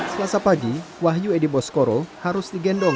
selasa pagi wahyu edi boskoro harus digendong